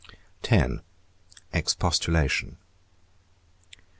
X. EXPOSTULATION.